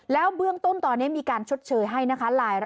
แล้วเบื้องต้นตอนนี้มีการชดเชยให้นะคะ